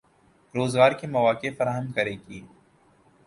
روزگار کے مواقع فراہم کرے گی